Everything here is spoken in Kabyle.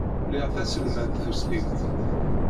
Liɣ taselmadt tusligt.